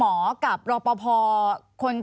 มีความรู้สึกว่ามีความรู้สึกว่า